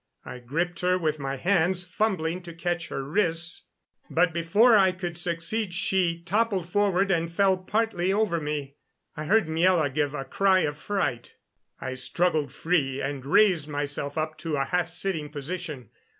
I gripped her with my hands, fumbling to catch her wrists, but before I could succeed she toppled forward and fell partly over me. I heard Miela give a cry of fright. I struggled free and raised myself up to a half sitting position.